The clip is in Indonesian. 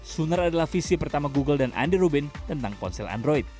sooner adalah visi pertama google dan andy rubin tentang ponsel android